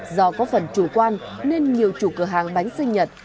do có phần chủ quan nên nhiều chủ cửa hàng bánh sinh nhật